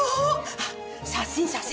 あっ写真写真。